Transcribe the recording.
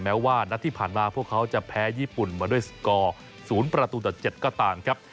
แม้ว่านัดที่ผ่านมาพวกเขาจะแพ้ญี่ปุ่นมาด้วยสกอร์๐ประตูต่อ๗ก็ตามครับ